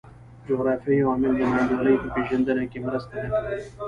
جغرافیوي عوامل د نا انډولۍ په پېژندنه کې مرسته نه کوي.